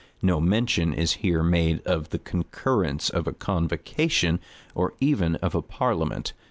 No mention is here made of the concurrence of a convocation, or even of a parliament.